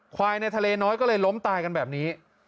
ควายในทะเลน้อยก็เลยล้มตายกันแบบนี้